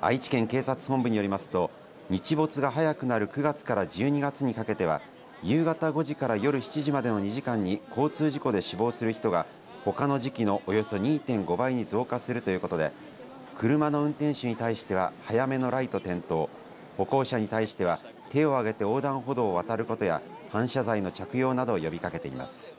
愛知県警察本部によりますと日没が早くなる９月から１２月にかけては夕方５時から７時までの２時間に交通事故で死亡する人がほかの時期のおよそ２．５倍に増加するということで車の運転手に対しては早めのライト点灯歩行者に対しては手を上げて横断歩道を渡ることや反射材の着用などを呼びかけています。